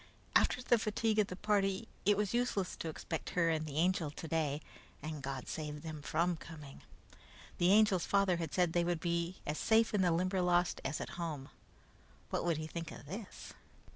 After the fatigue of the party, it was useless to expect her and the Angel today, and God save them from coming! The Angel's father had said they would be as safe in the Limberlost as at home. What would he think of this?